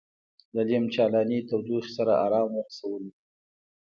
له نیم چالانې تودوخې سره ارام ورسولو.